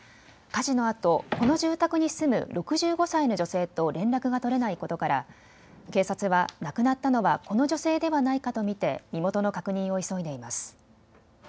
火事のあとこの住宅に住む６５歳の女性と連絡が取れないことから警察は亡くなったのはこの女性ではないかと見て身元の確認を急いでいます。